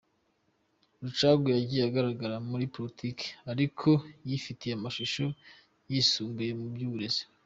Rucagu yagiye agaragara muri Politiki ariko yifitiye amashuri yisumbuye mu by’uburezi.